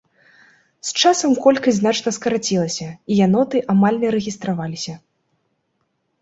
З часам колькасць значна скарацілася і яноты амаль не рэгістраваліся.